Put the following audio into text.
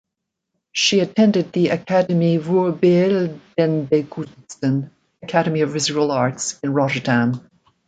She attended the Academie voor Beeldende Kunsten (Academy of Visual Arts) in Rotterdam.